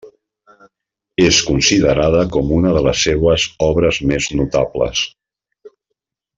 És considerada com una de les seues obres més notables.